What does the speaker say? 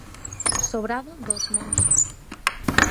Sobrado dos Monxes.